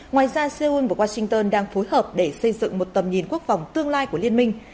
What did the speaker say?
ngoài ra seoul và washington đang phối hợp để xây dựng một tầm nhìn quốc phòng tương lai của liên minh